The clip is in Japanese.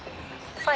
はい。